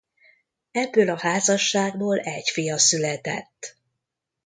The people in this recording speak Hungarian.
Ebből a házasságból egy fia született.